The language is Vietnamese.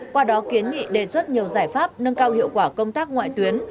qua đó kiến nghị đề xuất nhiều giải pháp nâng cao hiệu quả công tác ngoại tuyến